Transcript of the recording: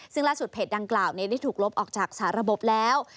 ซึ่งล่าสุดเพจดังกล่าวนี้ได้ถูกลบออกจากสาระบบแล้ว